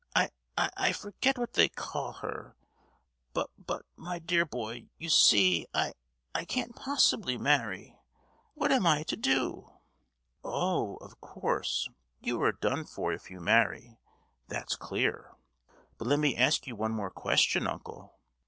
I—I forget what they call her. Bu—but, my dear boy, you see I—I can't possibly marry. What am I to do?" "Oh! of course, you are done for if you marry, that's clear. But let me ask you one more question, uncle.